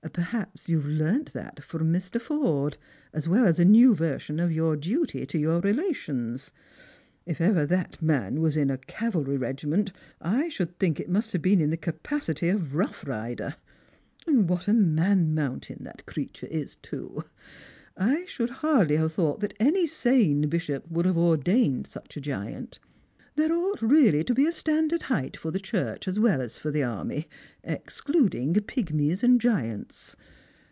Perhaps you have learnt that from Mr. Forde, as well as a new version of your duty to your relations. If ever that man was in a cavalry regiment, I should think it must have been in the canacity of 74 Strangers and Pilgrims. rough rider. What a man mountain the creature is, too! I should hardly have thought any sane bishop would have ordained such a giant. There ought really to be a standard height for the Church as well as for the army, excluding pigmies and giants.